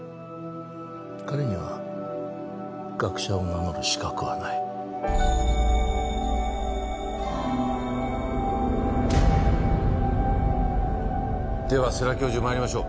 彼には学者を名乗る資格はない世良教授まいりましょう